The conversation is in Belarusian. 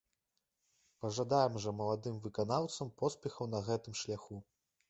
Пажадаем жа маладым выканаўцам поспехаў на гэтым шляху.